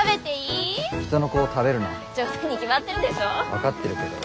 分かってるけど。